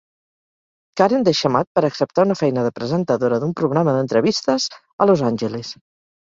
Karen deixa Matt per acceptar una feina de presentadora d'un programa d'entrevistes a Los Angeles.